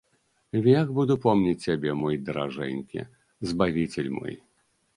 Век буду помніць цябе, мой даражэнькі, збавіцель мой.